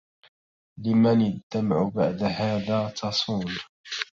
لمن الدمع بعد هذا تصون